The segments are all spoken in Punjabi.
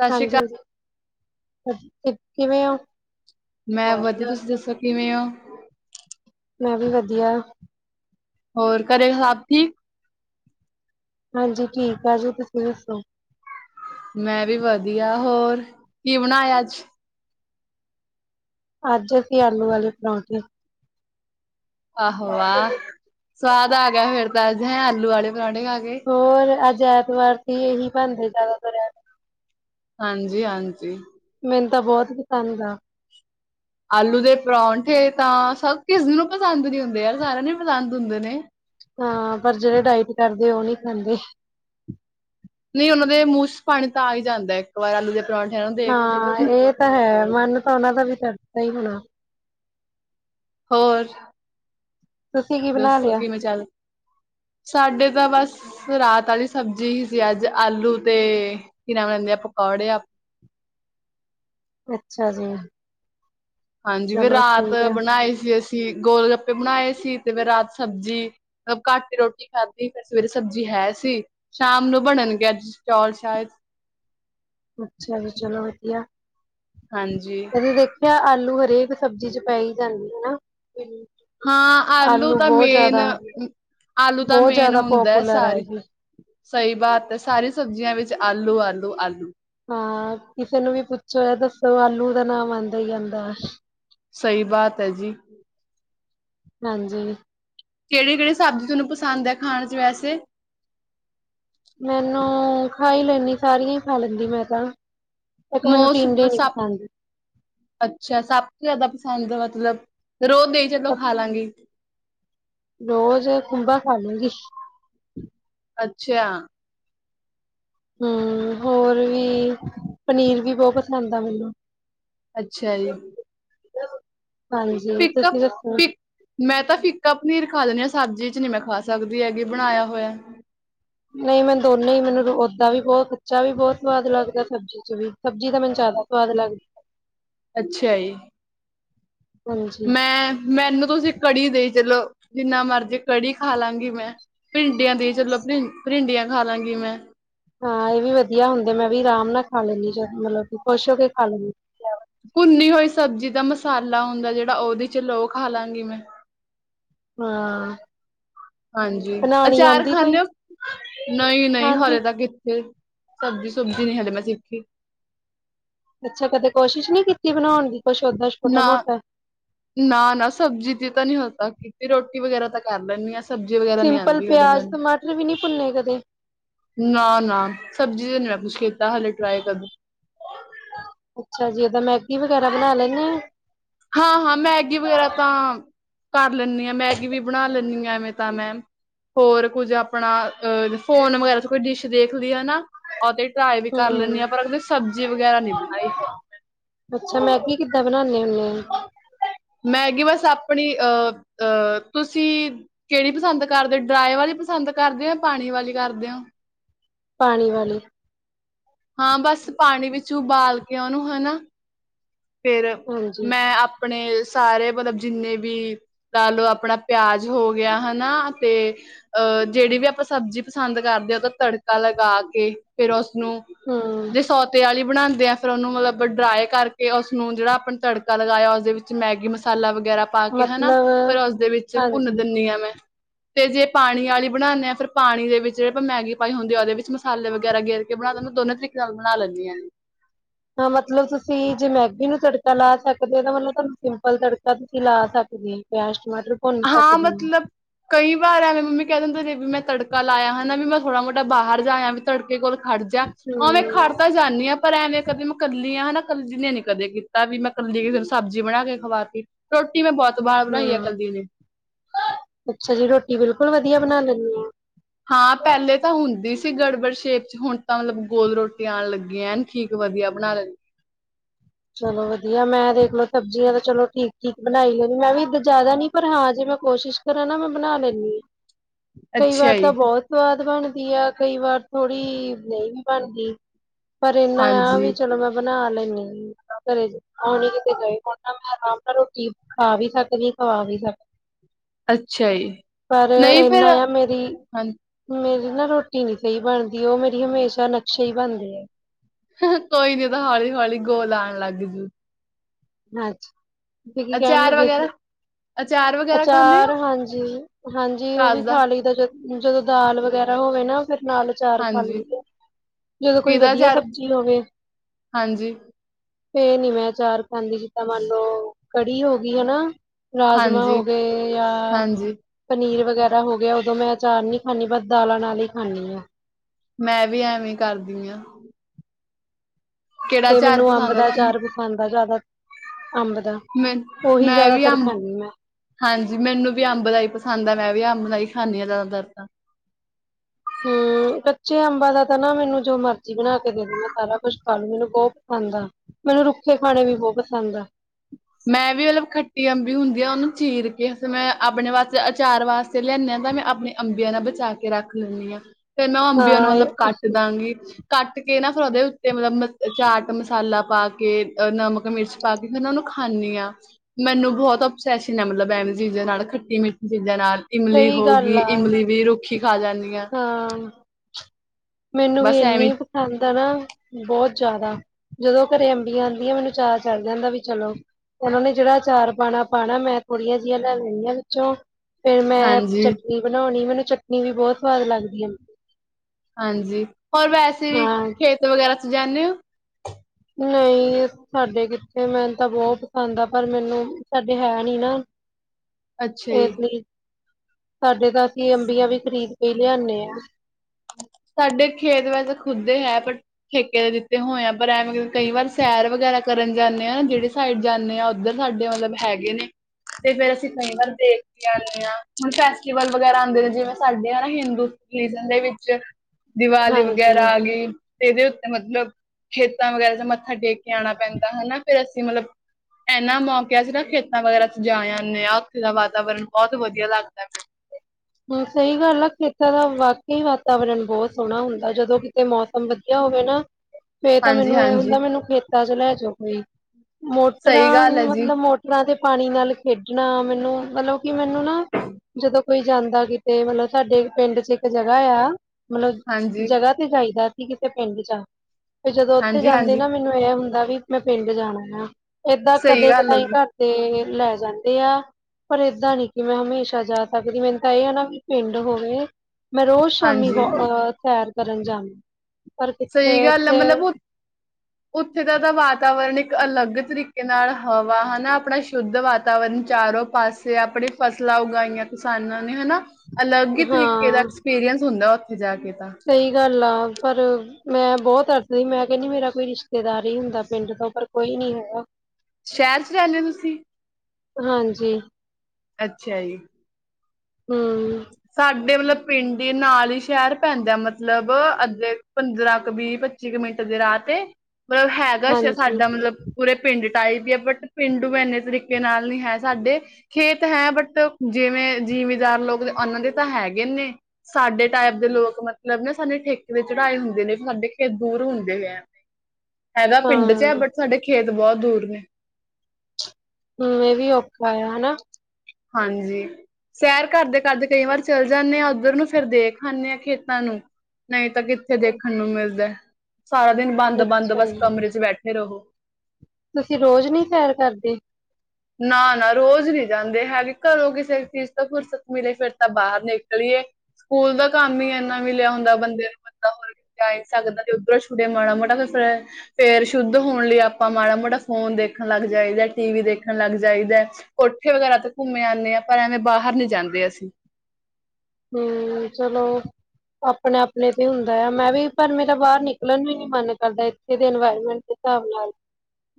ਸਤਿ ਸ਼੍ਰੀ ਅਕਾਲ, ਹਾਂਜੀ-ਹਾਂਜੀ ਤੇ ਕਿਵੇਂ ਔ? ਮੈਂ ਵਧੀ ਤੁਸੀਂ ਦੱਸੋ ਕਿਵੇਂ ਔ? ਮੈਂ ਵੀ ਵਧੀਆ। ਹੋਰ ਕਰੇ ਸਭ ਠੀਕ। ਹਾਂਜੀ, ਠੀਕ ਆ ਜੀ ਤੁਸੀਂ ਦੱਸੋ। ਮੈਂ ਵੀ ਵਧੀਆ, ਹੋਰ ਕੀ ਬਣਾਇਆ ਅੱਜ? ਅੱਜ ਅਸੀਂ ਆਲੂ ਵਾਲੇ ਪਰੌਂਠੇ। ਆਹੋ ਆਹ ਸਵਾਦ ਆ ਗਿਆ ਫੇਰ ਤਾਂ ਅੱਜ ਆਲੂ ਆਲੇ ਪਰਾਂਂਠੇ ਖਾ ਕੇ। ਹੋਰ ਅੱਜ ਐਤਵਾਰ ਸੀ ਏਹੀ ਬਣਦੇ ਜਾਦਾਤਰ ਐਤ ਹਾਂਜੀ-ਹਾਂਜੀ। ਮੈਨ ਤਾਂ ਬੋਤ ਪਸੰਦ ਆ। ਆਲੂ ਦੇ ਪਰੌਂਠੇ ਤਾਂ ਸਭ ਕਿਸੀ ਨੂੰ ਪਸੰਦ ਨੀ ਹੁੰਦੇ ਐ ਸਾਰਿਆਂ ਨੂੰ ਪਸੰਦ ਹੁੰਦੇ ਨੇ। ਹਾਂ ਪਰ ਜੇੜੇ ਡਾਇਟ ਕਰਦੇ ਓ ਨੀ ਖਾਂਦੇ। ਨੀ ਉਨਾਂ ਦੇ ਮੂੰਹ ਚ ਪਾਣੀ ਤਾਂ ਆ ਹੀ ਜਾਂਦਾ ਇੱਕ ਵਾਰ ਆਲੂ ਦੇ ਪਰੌਂਠਿਆਂ ਨੂੰ ਦੇਖ ਹਾਂ ਕੇ। ਏ ਤਾਂ ਹੈ ਮਨ ਤਾਂ ਓਨਾਂ ਦਾ ਵੀ ਕਰਦਾ ਹੀ ਹੋਣਾ। ਹੋਰ? ਤੁਸੀਂ ਕੀ ਬਣਾ ਦੱਸੋ ਲਿਆ? ਕਿਵੇਂ ਚੱਲ ਸਾਡੇ ਤਾਂ ਬਸ ਰਾਤ ਆਲੀ ਸਬਜ਼ੀ ਹੀ ਸੀ ਅੱਜ ਆਲੂ ਤੇ ਕਿ ਨਾਮ ਲੈਂਦੇ ਆ ਪਕੌੜੇ ਅੱਛਾ ਜੀ। ਹਾਂਜੀ ਫੇਰ ਚਲੋ ਰਾਤ ਸਹੀ ਆ ਬਨਾਏ ਸੀ ਅਸੀਂ ਗੋਲ ਗੱਪੇ ਬਣਾਏ ਸੀ ਤੇ ਫੇਰ ਰਾਤ ਸਬਜ਼ੀ ਮ ਘਾਟ ਈ ਰੋਟੀ ਖਾਧੀ ਫੇਰ ਸਵੇਰੇ ਸਬਜ਼ੀ ਹੈ ਸੀ। ਸ਼ਾਮ ਨੂੰ ਬਣਨਗੇ ਅੱਜ ਚੋਲ ਸ਼ਾਇਦ। ਅੱਛਾ ਜੀ ਚਲੋ ਵਧੀਆ ਹਾਂਜੀ ਕਦੇ ਦੇਖ ਆ ਆਲੂ ਹਰੇਕ ਸਬਜ਼ੀ ਚ ਪੈ ਹੀ ਜਾਂਦੇ ਨਾ। ਹਾਂ ਆਲੂ ਤਾਂ ਮੇਨ ਆਲੂ ਤਾਂ ਬਹੁਤ ਮੇਨ ਜ਼ਿਆਦਾ ਹੁੰਦਾ ਪੋਪੂਲਰ ਆ ਸਾਰੀ ਇਹ ਸਈ ਬਾਤ ਸਾਰੀ ਸਬਜ਼ੀਆਂ ਵਿੱਚ ਆਲੂ-ਆਲੂ, ਆਲੂ। ਹਾਂ ਕਿਸੇ ਨੂੰ ਵੀ ਪੁੱਛੋ ਯ ਦੱਸੋ ਆਲੂ ਦਾ ਨਾਮ ਆਂਦਾ ਹੀ ਆਂਦਾ। ਸਈ ਬਾਤ ਹੈ ਜੀ। ਹਾਂਜੀ। ਕੇੜੀ-ਕੇੜੀ ਸਾਬਜ਼ੀ ਤੁਨੂੰ ਪਸੰਦ ਐ ਖਾਣ ਚ ਵੈਸੇ? ਮੈਨੂੰ ਖਾਈ ਲੈਨੀ ਸਾਰੀਆਂ ਹੀ ਖਾ ਲੈਂਦੀ ਮੈਂ ਤਾਂ। ਏਕ ਮੈਨੂੰ ਮੋਸ ਟੀਂਡੇ ਨੀ ਸਭ ਪਸੰਦ। ਅੱਛਾ ਸਭ ਤੋਂ ਜਾਦਾ ਪਸੰਦ ਮਤਲਬ ਰੋਜ਼ ਦੇਈ ਚਲੋ ਖਾ ਲਾਂਗੀ। ਰੋਜ਼ ਖੁੰਭਾ ਖਾ ਲੂੰਗੀ। ਅੱਛਾ। ਹੂੰ, ਹੋਰ ਵੀ ਪਨੀਰ ਵੀ ਬੋ ਪਸੰਦ ਆ ਮੈਨੂੰ। ਅੱਛਾ ਜੀ। [unintelligible] ਹਾਂਜੀ ਪਿਕਪ ਤੁਸੀਂ ਦੱਸੋ -ਪਿਕ ਮੈਂ ਤਾਂ ਫਿੱਕਾ ਪਨੀਰ ਖਾ ਲੈਦੀ ਹਾਂ ਸਬਜ਼ੀ ਚ ਨਹੀਂ ਮੈਂ ਖਾ ਸਕਦੀ ਹੈਗੀ ਬਣਾਇਆ ਹੋਇਆ ਨਹੀਂ ਮੈਂ ਦੋਨੇ ਹੀ ਮੈਨੂੰ ਓਦਾਂ ਵੀ ਬਹੁਤ, ਕੱਚਾ ਵੀ ਬਹੁਤ ਸਵਾਦ ਲੱਗਦਾ ਸਬਜ਼ੀ ਸਬਜ਼ੀ ਤਾਂ ਮੈਨੂੰ ਜ਼ਿਆਦਾ ਸਵਾਦ ਲੱਗਦੀ ਅੱਛਾ ਜੀ ਹਾਂਜੀ ਮੈਂ ਮੈਨੂੰ ਤੁਸੀਂ ਕੜੀ ਦੇਈ ਚਲੋ, ਜਿੰਨਾ ਮਰਜ਼ੀ ਕੜੀ ਖਾ ਲਾਂਗੀ ਮੈਂ ਭਿੰਡੀਆਂ ਦੇਈ ਚਲੋ ਭ ਭਿੰਡੀਆਂ ਖਾ ਲਾਂਗੀ ਮੈਂ ਹਾਂ ਇਹ ਵੀ ਵਧੀਆ ਹੁੰਦੇ ਮੈਂ ਵੀ ਆਰਾਮ ਨਾਲ ਖਾ ਲੈਂਦੀ ਮਤਲਬ ਖੁਸ਼ ਹੋ ਕੇ ਖਾ ਲੈਂਦੀ ਭੁੰਨੀ ਹੋਈ ਸਬਜ਼ੀ ਦਾ ਮਸਾਲਾ ਹੁੰਦਾ ਜਿਹੜਾ ਉਹਦੇ ਚਲੋ ਖਾ ਲਾਂਗੀ ਮੈਂ ਹਾਂ ਹਾਂਜੀ, ਬਣਾਉਣੀ ਅਚਾਰ ਆਉਂਦੀ ਕੋਈ ਖਾਂਦੇ ਹੋ, ਨਹੀਂ- ਨਹੀਂ ਹਾਂਜੀ ਹਾਲ ਤੱਕ ਕਿਥੇ ਸਬਜ਼ੀ- ਸਬਜੀ ਨੀ ਹਲੇ ਮੈਂ ਸਿੱਖੀ ਅੱਛਾ ਕਦੇ ਕੋਸ਼ਿਸ਼ ਨਹੀਂ ਕੀਤੀ ਬਣਾਉਣ ਦੀ ਕੁਛ ਓਦਾਂ ਛੋਟਾ -ਮੋਟਾ ਨਾ-ਨਾ ਸਬਜੀ ਦੀ ਤਾਂ ਨਹੀਂ ਹੋਤਾ, ਕਿ ਰੋਟੀ ਵਗੈਰਾ ਤਾਂ ਕਰ ਲੈਣੀ ਆ ਸਬਜ਼ੀ ਵਗੈਰਾ ਨੀ ਸਿੰਪਲ ਆਉਂਦੀ ਹਾਲੇ ਪਿਆਜ ਮੈਨੂੰ ਟਮਾਟਰ ਵੀ ਨਹੀਂ ਭੁੰਨੇ ਕਦੇ ਨਾ-ਨਾ ਸਬਜ਼ੀ ਤੇ ਨ ਮੈਂ ਕੁਛ ਕੀਤਾ ਹਲੇ ਟਰਾਈ ਕਰਨਾ ਅੱਛਾ ਜੀ ਮੈਗੀ ਵਗੈਰਾ ਬਣਾ ਲੈਂਨੇ ਹੋ ਹਾਂ, ਹਾਂ ਮੈਗੀ ਵਗੈਰਾ ਤਾਂ ਕਰ ਲੈਂਦੀ ਹਾਂ ਮੈਗੀ ਵੀ ਬਣਾ ਲੈਂਣੀ ਹਾਂ ਐਵੇਂ ਤਾਂ ਮੈਂ ਹੋਰ ਕੁੱਝ ਆਪਣਾ, ਅ ਫੋਨ ਵਗੈਰਾ ਤੇ ਕੋਈ ਡਿਸ਼ ਦੇਖ ਲੀ ਹੈ ਨਾ ਔਹ ਤੇ ਟਰਾਈ ਵੀ ਕਰ ਲੈਂਦੀ ਹਮ ਹਾਂ ਪਰ ਕਦੇ ਸਬਜ਼ੀ ਵਗੈਰਾ ਨੀ ਬਣਾਈ ਕਦੇ ਅੱਛਾ ਮੈਗੀ ਕਿੱਦਾਂ ਬਣਾਦੇ ਹੁੰਦੇ ਹੋ ਮੈਗੀ ਬਸ ਆਪਣੀ ਅਹ- ਅਹ ਤੁਸੀਂ ਕਿਹੜੀ ਪਸੰਦ ਕਰਦੇ ਹੋ ਡਰਾਏ ਵਾਲੀ ਪਸੰਦ ਕਰਦੇ ਆ ਪਾਣੀ ਵਾਲੀ ਕਰਦੇ ਹੋ ਪਾਣੀ ਵਾਲੀ ਹਾਂ ਬਸ ਪਾਣੀ ਵਿੱਚ ਉਬਾਲ ਕੇ ਉਹਨੂੰ ਹਨਾ ਫਿਰ ਹਾਂਜੀ ਮੈਂ ਆਪਣੇ ਸਾਰੇ ਮਤਲਬ ਜਿੰਨੇ ਵੀ ਲਓ ਆਪਣਾ ਪਿਆਜ ਹੋ ਗਿਆ ਹਨਾ ਤੇ ਅਹ ਜਿਹੜੀ ਵੀ ਆਪਾਂ ਸਬਜ਼ੀ ਪਸੰਦ ਕਰਦੇ ਹਾਂ, ਉਦਾ ਤੜਕਾ ਲਗਾ ਕੇ ਫਿਰ ਉਸਨੂੰ ਹਮ ਜੇ ਸੌਤੇ ਵਾਲੀ ਬਣਾਉਂਦੇ ਆ ਫਿਰ ਉਹਨੂੰ ਮਤਲਬ ਡਰਾਏ ਕਰਕੇ ਉਸਨੂੰ ਜਿਹੜਾ ਆਪਣਾ ਤੜਕਾ ਲਗਾਇਆ ਉਸਦੇ ਵਿੱਚ ਮੈਗੀ ਮਸਾਲਾ ਵਗੈਰਾ ਪਾ ਕੇ ਹਨਾ ਫਿਰ ਮਤਲਬ ਉਸਦੇ ਵਿੱਚ ਭੁੰਨ ਹਾਂਜੀ ਦਿੰਦੀ ਹਾਂ ਮੈਂ ਜੇ ਪਾਣੀ ਵਾਲੀ ਬਣਾਉਂਦੇ ਆ ਫਿਰ ਪਾਣੀ ਦੇ ਵਿੱਚ ਆਪਾਂ ਮੈਗੀ ਪਾਈ ਹੁੰਦੇ ਆ ਉਹਦੇ ਵਿੱਚ ਮਸਾਲੇ ਵਗੈਰਾ ਗੇਰ ਕੇ ਬਣਾ ਤੇ ਮੈਂ ਦੋਨੇ ਤਰੀਕੇ ਨਾਲ ਬਣਾ ਲੈਂਦੀਆਂ ਮਤਲਬ ਤੁਸੀਂ ਜੇ ਮੈਗੀ ਨੂੰ ਤੜਕਾ ਲਾ ਸਕਦੇ ਹੋ, ਤਾਂ ਮਤਲਬ ਤੁਹਾਨੂੰ ਸਿੰਪਲ ਤੜਕਾ ਤੁਸੀਂ ਲਾ ਸਕਦੇ ਹੋ ਪਿਆਜ, ਟਮਾਟਰ ਭੁੰਨ ਹਾਂ ਸਕਦੇ ਮਤਲਬ ਕਈ ਵਾਰ ਮੰਮੀ ਕਹਿ ਦਿੰਦੇ ਜੇ ਵੀ ਮੈਂ ਤੜਕਾ ਲਾਇਆ ਹਨਾ ਵੀ ਮੈਂ ਥੋੜਾ ਮੋਟਾ ਬਾਹਰ ਜਾ ਆਇਆ ਵੀ ਤੜਕੇ ਕੋਲ ਖੜਜਾ ਹੋ ਉਵੇਂ ਹੂੰ ਖੜਤਾ ਪਰ ਐਵੇਂ ਕਦੇ ਮੈਂ ਕੱਲੀ ਹਾਂ ਹਨਾ ਕੱਲੀ ਨੇ ਨੀ ਕਦੇ ਕੀਤਾ ਵੀ ਮੈਂ ਕੱਲੀ ਕਿਸੇ ਨੂੰ ਸਬਜ਼ੀ ਬਣਾ ਕੇ ਖਵਾਤੀ ਰੋਟੀ ਮੈਂ ਬਹੁਤ ਵਾਰ ਬਣਾਈ ਆ ਹਾਂ। ਕੱਲੀ ਨੇ ਅੱਛਾ ਜੀ ਰੋਟੀ ਬਿਲਕੁਲ ਵਧੀਆ ਬਣਾ ਲੈਂਣੀ ਏ ਹਾਂ ਪਹਿਲੇ ਤਾਂ ਹੁੰਦੀ ਸੀ ਗੜਬੜ ਸ਼ੇਪ ਚ ਹੁਣ ਤਾਂ ਮਤਲਬ ਗੋਲ ਰੋਟੀ ਆਉਣ ਲੱਗੀਆਂ ਏਨ ਠੀਕ ਵਧੀਆ ਬਣਾ ਲੈਦੀ ਚਲੋ ਵਧੀਆ ਮੈਂ ਦੇਖਲੋ ਸਬਜ਼ੀਆਂ ਤਾਂ ਚਲੋ ਠੀਕ -ਠੀਕ ਬਣਾਈ ਲੈਦੀ ਮੈਂ ਵੀ ਜ਼ਿਆਦਾ ਨੀ ਪਰ ਹਾਂ ਜੇ ਮੈਂ ਕੋਸ਼ਿਸ਼ ਕਰਾਂ ਨਾ ਮੈਂ ਬਣਾ ਲੈਂਣੀ ਆਂ। ਕਈ ਵਾਰ ਅੱਛਾ ਜੀ ਤਾਂ ਬਹੁਤ ਸਵਾਦ ਬਣਦੀ ਆ, ਕਈ ਵਾਰ ਥੋੜੀ ਨਹੀਂ ਬਣਦੀ। ਪਰ ਐਨਾ ਆ ਹਾਂਜੀ ਵੀ ਚਲੋ ਮੈਂ ਬਣਾ ਲੈਣੀ ਘਰੇ ਆਉਣੀ ਕਿਤੇ ਗਏ ਹੁਣ ਮੈਂ ਆਰਾਮ ਨਾਲ ਰੋਟੀ ਖਾ ਵੀ ਸਕਦੀ ਖਵਾ ਵੀ ਸਕਦੀ ਅੱਛਾ ਜੀ ਪਰ ਨਹੀਂ ਫੇਰ ਐਨਾ ਆ ਮੇਰੀ ਹਾਂ ਮੇਰੀ ਨਾ ਰੋਟੀ ਨੀ ਸਹੀ ਬਣਦੀ ਉਹ ਮੇਰੀਆ ਹਮੇਸ਼ਾ ਨਕਸ਼ੇ ਹੀ ਬਣਦੇ। ਕੋਈ ਨੀ ਤਾਂ ਹੌਲੀ -ਹੌਲੀ ਗੋਲ ਆਉਣ ਲੱਗ ਜੂ। ਅੱਛਾ, ਤੁਸੀਂ ਕੀ ਕਹਿਣ ਲੱਗੇ ਸੀ। ਆਚਾਰ ਵ ਆਚਾਰ ਹਾਂਜੀ, ਹਾਂਜੀ ਉਹ ਘਰ ਵੀ ਦਾ ਖਾ ਲਈਦਾ ਜ ਜਦੋਂ ਦਾਲ ਵਗੈਰਾ ਹੋਵੇ ਨਾ ਫਿਰ ਨਾਲ ਆਚਾਰ ਖਾ ਹਾਂਜੀ ਲਈਦਾ। ਜਦੋਂ ਕੋਈ ਕਿਹਦਾ ਵਧੀਆ ਚਾਰ ਸਬਜ਼ੀ ਹੋਵੇ ਹਾਂਜੀ ਫਿਰ ਨੀ ਮੈਂ ਆਚਾਰ ਖਾਂਦੀ, ਜਿੱਦਾਂ ਮੰਨ ਲਓ ਕੜੀ ਹੋ ਗਈ ਹਨਾ ਰਾਜਮਾਂਹ ਹਾਂਜੀ ਹੋ ਗਏ ਯਾ ਹਾਂਜੀ ਪਨੀਰ ਵਗੈਰਾ ਹੋ ਗਏ, ਉਦੋਂ ਮੈਂ ਅਚਾਰ ਨਹੀਂ ਖਾਂਦੀ ਬਸ ਦਾਲਾਂ ਨਾਲ ਹੀ ਖਾਂਦੀ ਆ ਮੈਂ ਵੀ ਐਵੇਂ ਕਰਦੀ ਆਂ 'ਤੇ ਚਾਰ ਮੈਨੂੰ ਅੰਬ ਪਸੰਦ ਆ ਦਾ ਤੁਹਾਨੂੰ ਆਚਾਰ ਪਸੰਦ ਆ ਜ਼ਿਆਦਾ, ਅੰਬ ਦਾ ਮੈਂ ਉਹੀ ਮੈਂ ਵੀ ਜਿਆਦਾਤਰ ਅੰਬ ਖਾਨੀ ਆ ਹਾਂਜੀ ਮੈਨੂੰ ਵੀ ਅੰਬ ਦਾ ਹੀ ਪਸੰਦ ਐ, ਮੈਂ ਵੀ ਅੰਬ ਦਾ ਹੀ ਖਾਂਦੀ ਹਾਂ ਜ਼ਿਆਦਾਤਰ ਤਾਂ ਹਮ, ਕੱਚੇ ਅੰਬਾਂ ਦਾ ਤਾਂ ਨਾ ਮੈਨੂੰ ਜੋ ਮਰਜੀ ਬਣਾ ਕੇ ਦੇ ਦੋ ਮੈਂ ਸਾਰਾ ਕੁਛ ਖਾਲੂ, ਮੈਨੂੰ ਬਹੁਤ ਪਸੰਦ ਆ ਮੈਨੂੰ ਰੁੱਖੇ ਖਾਣੇ ਵੀ ਬਹੁਤ ਪਸੰਦ ਆ ਮੈਂ ਵੀ ਮਤਲਬ ਖੱਟੀ ਅੰਬੀ ਹੁੰਦੀ ਆ ਉਹਨੂੰ ਚੀਰ ਕੇ ਫੇਰ ਮੈਂ ਆਪਣੇ ਵਾਸਤੇ ਅਚਾਰ ਵਾਸਤੇ ਤੇ ਲਿਆਂਦੀ ਹਾਂ ਤਾਂ ਮੈਂ ਆਪਣੇ ਅੰਬੀਆਂ ਨਾਲ ਬਚਾ ਕੇ ਰੱਖ ਲੈਂਦੀ ਹਾਂ ਫਿਰ ਮੈਂ ਉਹ ਅੰਬੀਆਂ ਨੂੰ ਹਾਂ ਮਤਲਬ ਇਹ ਕੱਟ ਦਾਂਗੀ ਕੱਟ ਕੇ ਨਾ ਫੇਰ ਉਹਦੇ ਉੱਤੇ ਮਤਲਬ ਚਾਟ ਮਸਾਲਾ ਪਾ ਕੇ ਅਹ ਨਮਕ ਮਿਰਚ ਪਾ ਕੇ ਫਿਰ ਉਹਨੂੰ ਖਾਂਦੀ ਆਂ, ਮੈਨੂੰ ਬਹੁਤ ਅਸੈਸ ਨਾ ਮਤਲਬ ਐਵੇਂ ਚੀਜ਼ਾਂ ਨਾਲ ਖੱਟੀ ਮਿੱਠੀ ਚੀਜ਼ਾਂ ਨਾਲ ਇਮਲੀ ਸਹੀ ਹੋ ਗੱਲ ਗਈ, ਆ ਇਮਲੀ ਵੀ ਰੁੱਖੀ ਖਾ ਜਾਂਦੀ ਆ ਹਾਂ ਮੈਨੂੰ ਵੀ ਬਸ ਐਵੇਂ ਇੰਨੀ ਪਸੰਦ ਆ ਨਾ ਬਹੁਤ ਜ਼ਿਆਦਾ, ਜਦੋਂ ਘਰੇ ਅੰਬੀਆਂ ਆਂਦੀਆਂ ਮੈਨੂੰ ਚਾਅ ਚੜ ਜਾਂਦਾ ਵੀ ਚਲੋ ਉਹਨਾਂ ਨੇ ਜਿਹੜਾ ਅਚਾਰ ਪਾਣਾ, ਪਾਉਣਾ ਮੈਂ ਥੋੜ੍ਹੀਆਂ ਜਿਹੀਆਂ ਲੈ ਲੈਣੀਆਂ ਵਿੱਚੋਂ ਫੇਰ ਮੈਂ ਹਾਂਜੀ ਚਟਨੀ ਬਣਾਉਣੀ, ਮੈਨੂੰ ਚਟਨੀ ਵੀ ਬਹੁਤ ਸਵਾਦ ਲੱਗਦੀ ਅੰਬੀਆਂ ਹਾਂਜੀ, ਹੋਰ ਵੈਸੇ ਵੀ ਹਾਂ ਖੇਤ ਵਗੈਰਾ 'ਚ ਜਾਦੇ ਹੋ ਨਹੀਂ ਸਾਡੇ ਕਿੱਥੇ ਮੈਨੂੰ ਤਾਂ ਬਹੁਤ ਪਸੰਦ ਆ, ਪਰ ਮੈਨੂੰ, ਸਾਡੇ ਹੈ ਨੀ ਨਾ ਅੱਛਾ [inaudible] ਜੀ ਇਸ ਲਈ ਸਾਡੇ ਤਾਂ ਅਸੀਂ ਅੰਬੀਆਂ ਵੀ ਖਰੀਦ ਕੇ ਹੀ ਲਿਆਂਦੇ ਹਾਂ ਸਾਡੇ ਖੇਤ ਵਿੱਚ ਖੁਦੇ ਹੈ ਬਟ ਠੇਕੇ ਦੇ ਦਿੱਤੇ ਹੋਏ ਆ, ਪਰ ਐਵ ਕਈ ਵਾਰ ਸੈਰ ਵਗੈਰਾ ਕਰਨ ਜਾਂਦੇ ਆ ਨਾ ਜਿਹੜੇ ਸਾਈਡ ਜਾਂਦੇ, ਉੱਧਰ ਸਾਡੇ ਮਤਲਬ ਹੈਗੇ ਨੇ 'ਤੇ ਫਿਰ ਅਸੀਂ ਕਈ ਵਾਰ ਦੇਖ ਕੇ ਆਂਦੇ ਹਾਂ, ਹੁਣ ਫੈਸਟੀਵਲ ਵਗ਼ੈਰਾ ਆਉਂਦੇ ਨੇ ਜਿਵੇਂ ਸਾਡੇ ਹਨ ਨਾ ਹਿੰਦੂ ਰਿਲੀਜ਼ਨ ਦੇ ਵਿੱਚ, ਦੀਵਾਲੀ ਹਾਂਜੀ ਵਗੈਰਾ ਆ ਗਈ ਇਹਦੇ ਉੱਤੇ ਮਤਲਬ, ਖੇਤਾਂ ਵਗੈਰਾ ਜਾਂ ਮੱਥਾ ਟੇਕ ਕੇ ਆਉਣਾ ਪੈਂਦਾ ਹਨਾ, ਫਿਰ ਅਸੀਂ ਮਤਲਬ ਐਨਾ ਮੌਕਿਆਂ 'ਚ ਨਾ ਖੇਤਾਂ ਵਗੈਰਾ ਜਾ ਆਂਦੇ ਹਾਂ ਉੱਥੇ ਦਾ ਵਾਤਾਵਰਨ ਬਹੁਤ ਵਧੀਆ ਲੱਗਦਾ ਮੈਨੂੰ ਹਮ, ਸਹੀ ਗੱਲ ਹੈ, ਖੇਤਾਂ ਦਾ ਵਾਕਈ ਵਾਤਾਵਰਨ ਬਹੁਤ ਸੋਹਣਾ ਹੁੰਦਾ ਜਦੋਂ ਕਿਤੇ ਮੌਸਮ ਵਧੀਆ ਹੋਵੇ ਨਾ [inaudible] ਫੇ' ਤਾਂ ਹਾਂਜੀ ਮੈਨੂੰ ਐਂ ਹੁੰਦਾ, ਹਾਂਜੀ ਮੈਨੂੰ ਖੇਤਾਂ 'ਚ ਲੈਜੋ ਕੋਈ। ਸਹੀ ਮੋਟਰਾਂ ਗੱਲ ਹੈ ਜੀ ਮਤਲਬ ਮੋ ਟਰਾਂ ਦੇ ਪਾਣੀ ਨਾਲ ਖੇਡਣਾ, ਮੈਨੂੰ ਮਤਲਬ ਕਿ ਮੈਨੂੰ ਨਾ, ਜਦੋਂ ਕੋਈ ਜਾਂਦਾ ਕਿਤੇ। ਮਤਲਬ ਸਾਡੇ ਪਿੰਡ ਚ' ਇੱਕ ਜਗ੍ਹਾ ਆ। ਮਤਲਬ ਹਾਂਜੀ ਜਗ੍ਹਾ ਖਿਝ ਜਾਈਦਾ ਤੀ ਕਿਤੇ ਪਿੰਡ 'ਚ ਆ। ਤੇ ਜਦੋਂ ਉੱਥੇ ਜਾਂਦੇ ਹਾਂਜੀ-ਹਾਂਜੀ, ਨਾ, ਮੈਨੂੰ ਹੁਣ ਇਹ ਹੁੰਦਾ ਵੀ ਮੈਂ ਪਿੰਡ ਜਾਣਾ ਆ। ਏਦਾਂ ਸਹੀ ਗੱਲ ਹੈ ਕਦੇ-ਕਦਾਈ ਜੀ, ਘੱਟ ਤੇ ਲੈ ਜਾਂਦੇ ਆ। ਪਰ ਏਦਾਂ ਨੀ ਕਿ ਮੈਂ ਹਮੇਸ਼ਾ ਜਾ ਸਕਦੀ। ਮੈ ਇਹ ਨਾ ਕਿ ਪਿੰਡ ਹੋਵੇ। ਮੈਂ ਰੋਜ਼ ਸ਼ਾਮੀ ਹੋ ਹਾਂਜੀ। ਅਹ ਸੈਰ ਕਰਨ ਜਾਵ ਪਰ ਸਹੀ ਕਿੱਥੇ, ਗੱਲ ਹੈ ਇੱਥੇ ਮਤਲਬ ਉ ਉੱਥੇ ਦਾ ਤਾਂ ਵਾਤਾਵਰਨ ਇੱਕ ਅਲੱਗ ਤਰੀਕੇ ਨਾਲ ਹਵਾ, ਹਨਾ। ਆਪਣਾ ਸ਼ੁੱਧ ਵਾਤਾਵਰਨ ਚਾਰੋਂ ਪਾਸੇ ਆਪਣੇ ਫ਼ਸਲਾਂ ਉਗਾਈਆਂ ਕਿਸਾਨਾਂ ਨੇ ਹਨਾ। ਅਲੱਗ ਈ ਤਰੀਕੇ ਦਾ ਹਾਂ ਐਕਸਪੀਰੀਐਂਸ ਹੁੰਦਾ, ਉੱਥੇ ਜਾ ਕੇ ਤਾਂ। ਸਹੀ ਗੱਲ ਆ। ਪਰ ਮੈਂ ਬਹੁਤ ਹੱਸਨੀ। ਮੈਂ ਕਹਿੰਨੀ ਮੇਰਾ ਕੋਈ ਰਿਸ਼ਤੇਦਾਰ ਈ ਹੁੰਦਾ ਪਿੰਡ ਤੋਂ। ਪਰ ਕੋਈ ਨੀ ਹੈਗਾ। ਸ਼ਹਿਰ 'ਚ ਰਹਿੰਨੇ ਓ ਤੁਸੀਂ? ਹਾਂਜੀ। ਅੱਛਾ ਜੀ। ਹਮ। ਸਾਡੇ ਮਤਲਬ ਪਿੰਡ ਈ, ਨਾਲ ਈ ਸ਼ਹਿਰ ਪੈਂਦਾ ਮਤਲਬ। ਅੱਧੇ ਪੰਦਰਾਂ ਕੁ ਵੀਹ ਪੱਚੀ ਕੁ ਮਿੰਟ ਦੇ ਰਾਹ ਤੇ। ਮਤਲਬ ਹੈਗਾ, ਹਾਂਜੀ ਸਾਡਾ ਮਲਬ ਪੂਰੇ ਪਿੰਡ ਟਾਈਪ ਈ ਐ। ਬਟ, ਪੇਂਡੂ ਇੰਨੇ ਤਰੀਕੇ ਨਾਲ ਨੀ ਹੈ ਸਾਡੇ ਖੇਤ ਹੈ। ਬਟ, ਜਿਵੇਂ ਜ਼ਿਮੀਂਦਾਰ ਲੋਕ, ਉਹਨਾਂ ਦੇ ਤਾਂ ਹੈਗੇ ਨੇ। ਸਾਡੇ ਤਾਂ ਐਧਰ ਲੋਕ ਮਤਲਬ ਨਾ, ਸਾਨੇ ਠੇਕੇ ਤੇ ਚੜ੍ਹਾਏ ਹੁੰਦੇ ਨੇ। ਸਾਡੇ ਖੇਤ ਦੂਰ ਹੁੰਦੇ ਐ। [inaudible] ਹੈਗਾ ਪਿੰਡ 'ਚ ਹਾਂ ਐ। ਬਟ, ਸਾਡੇ ਖੇਤ ਬਹੁਤ ਦੂਰ ਨੇ। ਹੂੰ, ਇਹ ਵੀ ਔਖਾ ਆ ਹਨਾ। ਹਾਂਜੀ। ਸੈਰ ਕਰਦੇ-ਕਰਦੇ ਕਈ ਵਾਰ ਚੱਲ ਜਾਂਨੇ ਆਂ ਉਧਰ ਨੂੰ। ਫਿਰ ਦੇਖ ਆਣੇ ਆ ਖੇਤਾਂ ਨੂੰ। ਨਹੀਂ ਤਾਂ ਕਿੱਥੇ ਦੇਖਣ ਨੂੰ ਮਿਲਦੈ। ਸਾਰਾ ਦਿਨ ਬੰਦ-ਬੰਦ ਅੱਛਾ ਬਸ, ਜੀ ਕਮਰੇ 'ਚ ਬੈਠੇ ਰਹੋ। ਤੁਸੀਂ ਰੋਜ਼ ਨ੍ਹੀਂ ਸੈਰ ਕਰਦੇ? ਨਾ-ਨਾ ਰੋਜ਼ ਨਹੀਂ ਜਾਂਦੇ ਹੈਗੇ। ਘਰੋਂ ਕਿਸੇ ਚੀਜ਼ ਤੋਂ ਫੁਰਸਤ ਮਿਲੇ, ਫਿਰ ਤਾਂ ਬਾਹਰ ਨਿਕਲੀਏ। ਸਕੂਲ ਦਾ ਕੰਮ ਈ ਐਂਨਾ ਮਿਲਿਆ ਹੁੰਦਾ ਬੰਦੇ ਨੂੰ, ਬੰਦਾ ਹੋਰ ਜਾ ਈ ਸਕਦਾ। ਜੇ ਉਧਰੋ ਛੁਡੇ ਮਾੜਾ-ਮੋਟਾ ਫੇਰ ਤੋਂ ਐਹ ਫੇਰ ਸ਼ੁੱਧ ਹੋਣ ਲਈ ਆਪਾਂ, ਮਾੜਾ-ਮੋਟਾ ਫ਼ੋਨ ਦੇਖ਼ਣ ਲੱਗ ਜਾਈਦਾ। ਟੀ ਵੀ ਦੇਖ ਖਣ ਲੱਗ ਜਾਈਦੈ। ਕੋਠੇ ਵਗ਼ੈਰਾ ਤੇ ਘੁੰਮ ਔਨੇ ਆ। ਪਰ ਐਵੇਂ ਬਾਹਰ ਨੀ ਜਾਂਦੇ ਅਸੀਂ। ਹੂੰ, ਚਲੋ। ਆਪਣਾ-ਆਪਣੇ ਤੇ ਹੁੰਦਾ ਆ। ਮੈਂ ਵੀ ਪਰ, ਮੇਰਾ ਬਾਹਰ ਨਿਕਲਣ ਵੀ ਨੀ ਮਨ ਕਰਦਾ। ਇਥੇ ਦੇ ਇਨਵਾਇਰਮੈਂਟ ਸਾਬ੍ਹ ਨਾਲ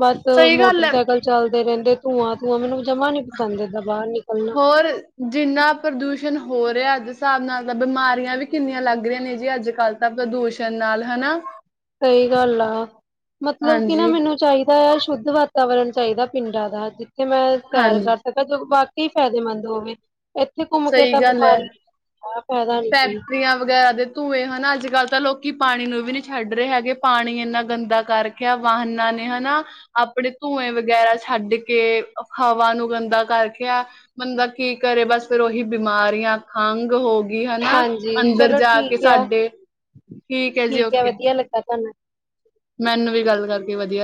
ਬਸ ਸਹੀ ਗੱਲ ਹੈ ਮੋਟਰਸਾਈਕਲ ਚੱਲਦੇ ਰਹਿੰਦੇ। ਧੂਵਾਂ-ਧੂਵਾਂ ਮੈਨੂੰ ਜਮਾਂ ਨੀ ਪਸੰਦ ਏਦਾਂ ਬਾਹਰ ਨਿਕਲਣਾ। ਹੋਰ ਜਿੰਨਾ ਪ੍ਰਦੂਸ਼ਣ ਹੋ ਰਿਹਾ, ਅੱਜ ਹਿਸਾਬ ਨਾਲ ਤਾਂ ਬਿਮਾਰੀਆਂ ਵੀ ਕਿੰਨੀਆਂ ਲੱਗ ਰੀਆਂ ਨੇ ਜੀ, ਅੱਜ-ਕੱਲ੍ਹ। ਤਾਂ ਪ੍ਰਦੂਸ਼ਣ ਨਾਲ ਹਨਾ। ਸਹੀ ਗੱਲ ਆ। ਮਤਲਬ ਕੀ ਨਾ ਹਾਂਜੀ ਮੈਨੂੰ ਚਾਈ ਦਾ ਸ਼ੁੱਧ ਵਾਤਾਵਰਨ ਚਾਈਦਾ, ਪਿੰਡਾਂ ਦਾ। ਜਿੱਥੇ ਮੈਂ ਸੈਰ ਹਾਂਜੀ ਕਰ ਸਕ ਤਾਂ ਜੋ ਵਾਕੇਈ ਫ਼ਾਇਦੇਮੰਦ ਹੋਵੇ। ਇੱਥੇ ਘੁੰਮ ਕੇ ਸਹੀ ਤਾਂ ਗੱਲ ਬਿਮਾਰੀ, ਫ਼ਾਇਦਾ ਨੀ ਕੋਈ। ਤੀਆਂ ਵਗੈਰਾ ਦੇ ਧੂੰਏ ਹਨਾ। ਅੱਜ-ਕੱਲ੍ਹ ਤਾਂ ਲੋਕੀ ਪਾਣੀ ਨੂੰ ਵੀ ਨੀ ਛੱਡ ਰਹੇ ਹੈਗੇ। ਪਾਣੀ ਇੰਨਾ ਗੰਦਾ ਕਰ ਕਿਆ ਵਾਹਨਾਂ ਨੇ ਹਨਾ। ਆਪਣੇ ਧੂੰਏ ਵਗੈਰਾ ਛੱਡ ਕੇ, ਹਵਾ ਨੂੰ ਗੰਦਾ ਕਰਖਿਆ। ਬੰਦਾ ਕੀ ਕਰੇ ਬਸ ਫਿਰ ਉਹੀ ਬਿਮਾਰੀਆਂ ਖੰਘ ਹੋ ਦੀ ਹਨਾ, ਹਾਂਜੀ ਅੰਦਰ ਚਲੋ ਜਾ ਕੇ ਠੀਕ ਆ ਸਾਡੇ ਠੀਕ ਐ ਜੀ ਠੀਕ ਆ ਓਕੇ। ਵਧੀਆ ਲੱਗਾ ਤੁਹਾਨੂੰ ਮੈਨੂੰ ਵੀ ਗੱਲ ਕਰਕੇ ਵਧੀਆ ਲ